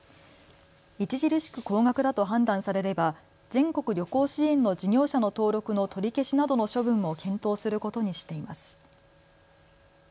著しく高額だと判断されれば全国旅行支援の事業者の登録の取り消しなどの処分も検討することにしています。